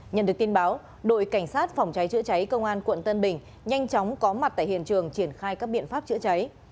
nhận được tin báo đội cảnh sát phòng cháy chữa cháy công an quận tân bình nhanh chóng có mặt tại hiện trường triển khai các biện pháp chữa cháy